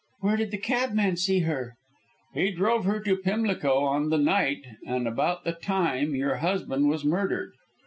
"Where did the cabman see her?" "He drove her to Pimlico on the night, and about the time, your husband was murdered."